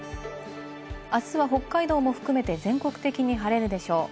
あすは北海道も含めて全国的に晴れるでしょう。